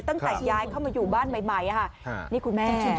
ตั้งแต่ย้ายเข้ามาอยู่บ้านใหม่ค่ะนี่คุณแม่